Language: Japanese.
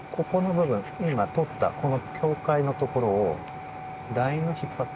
今とったこの境界のところをラインを引っ張って。